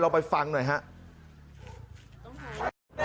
เราไปฟังหน่อยนะครับ